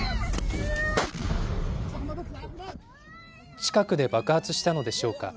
近くで爆発したのでしょうか。